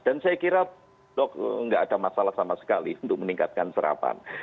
dan saya kira blok nggak ada masalah sama sekali untuk meningkatkan serapan